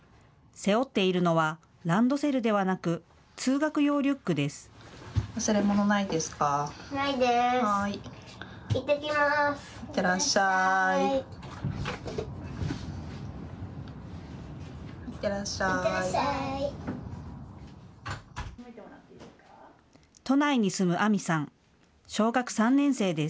背負っているのはランドセルではなく通学用リュックです。